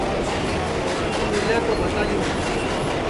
کسی کُو مِلے تومِسکُو بھتائیو